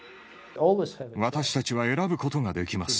私たちは選ぶことができます。